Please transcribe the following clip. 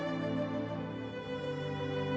apa yang kamu sadece cakapkan selalu